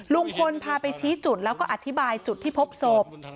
ลุงพลพาไปชี้จุดแล้วก็อธิบายจุดที่พบศพ